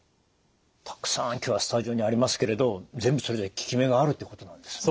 たくさん今日はスタジオにありますけれど全部それぞれ効き目があるということなんですね。